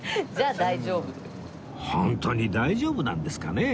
ホントに大丈夫なんですかね？